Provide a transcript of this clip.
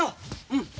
うん。